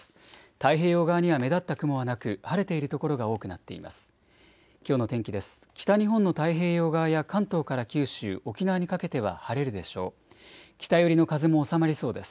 太平洋側には目立った雲はなく晴れている所が多くなっています。